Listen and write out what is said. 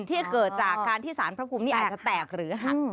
ที่เกิดจากการที่สารพระภูมินี่อาจจะแตกหรือหัก